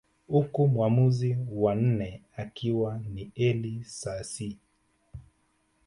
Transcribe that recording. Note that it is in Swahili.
Huku mwamuzi wa nne akiwa ni Elly Sasii